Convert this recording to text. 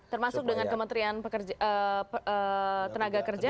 termasuk dengan kementerian tenaga kerja